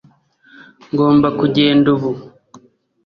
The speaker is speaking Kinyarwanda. ngomba kugenda ubu